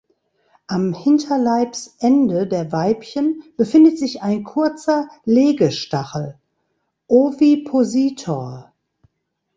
Am Hinterleibsende der Weibchen befindet sich ein kurzer Legestachel (Ovipositor).